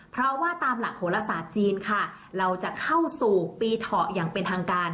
เพราะว่าตามหลักโหลศาสตร์จีนค่ะเราจะเข้าสู่ปีเถาะอย่างเป็นทางการ